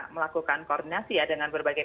melakukan koordinasi dengan berbagai